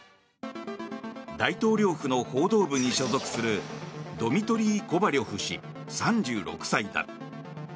大統領府の報道部に所属するドミトリー・コバリョフ氏３６歳だ。